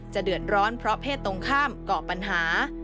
เดือดร้อนเพราะเพศตรงข้ามเกาะปัญหา